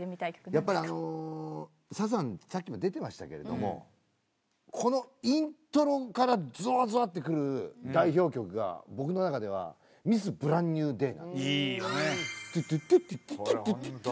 やっぱりサザンさっきも出てましたけれどもこのイントロからゾワゾワってくる代表曲が僕の中では『ミス・ブランニュー・デイ』いいよねこれホント。